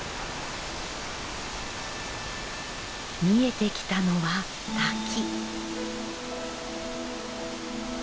見えてきたのは滝。